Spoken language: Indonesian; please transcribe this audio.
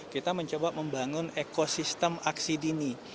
kita mencoba membangun ekosistem aksi dini